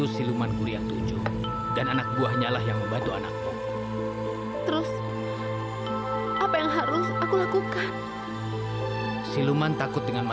sampai jumpa di video selanjutnya